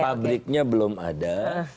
nah pabriknya belum ada